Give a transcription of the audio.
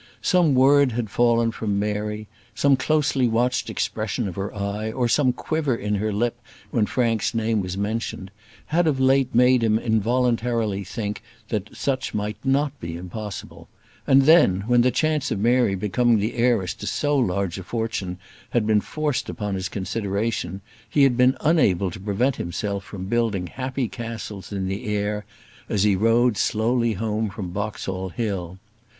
Some word had fallen from Mary, some closely watched expression of her eye, or some quiver in her lip when Frank's name was mentioned, had of late made him involuntarily think that such might not be impossible; and then, when the chance of Mary becoming the heiress to so large a fortune had been forced upon his consideration, he had been unable to prevent himself from building happy castles in the air, as he rode slowly home from Boxall Hill.